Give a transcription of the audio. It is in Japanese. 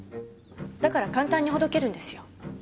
だから簡単にほどけるんですよ。